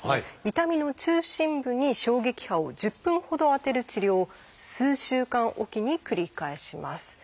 痛みの中心部に衝撃波を１０分ほど当てる治療を数週間おきに繰り返します。